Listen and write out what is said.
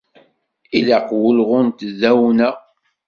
Ilaq wulɣu n tdawna.